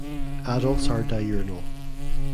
Adults are diurnal.